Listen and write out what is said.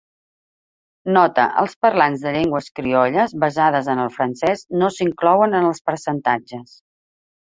Nota: els parlants de llengües criolles basades en el francès no s'inclouen en els percentatges.